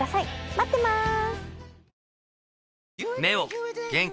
待ってます。